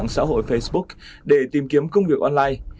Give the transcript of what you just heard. xã hội facebook để tìm kiếm công việc online